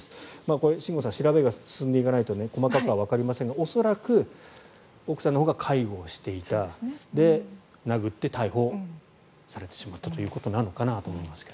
これ、新郷さん調べが進んでいかないと細かくはわかりませんが恐らく奥さんのほうが介護をしていた殴って、逮捕されてしまったということなのかなと思いますが。